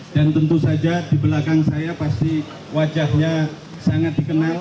dan tentu saja di belakang saya pasti wajahnya sangat dikenal